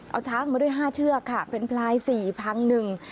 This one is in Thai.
เอาช้างมาด้วยห้าเชือกค่ะเป็นพลายสี่พังหนึ่ง